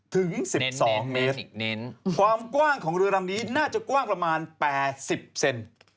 ถึง๑๒เมตรความกว้างของเรือลำนี้น่าจะกว้างประมาณ๘๐เซน